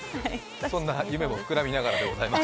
そんな夢も膨らみながらでございます。